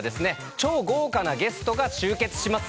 超豪華なゲストが集結します。